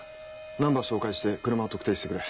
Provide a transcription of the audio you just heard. ナンバー照会して車を特定してくれ。